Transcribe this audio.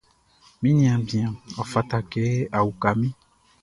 Mi niaan bian, ɔ fata kɛ a uka min.